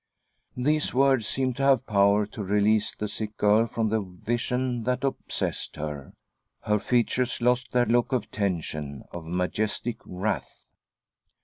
These words seemed to have power to release the sick girl from the vision that obsessed her ; her features lost their look of tension, of majestic wrath.